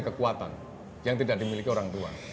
kekuatan yang tidak dimiliki orang tua